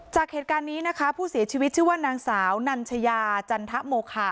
จากเหตุการณ์นี้นะคะผู้เสียชีวิตชื่อว่านางสาวนัญชยาจันทะโมคา